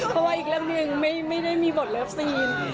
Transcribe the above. เพราะว่าอีกเรื่องหนึ่งไม่ได้มีบทเลิฟซีน